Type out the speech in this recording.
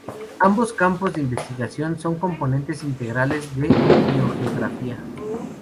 Ambos campos de investigación son componentes integrales de biogeografía.